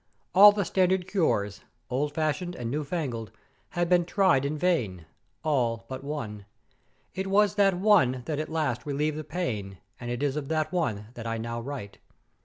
All the standard cures old fashioned and new fangled had been tried in vain; all but one. It was that one that at last relieved the pain, and it is of that one that I now write.